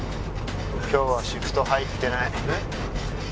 今日はシフト入ってないえっ？